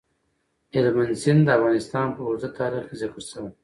هلمند سیند د افغانستان په اوږده تاریخ کې ذکر شوی.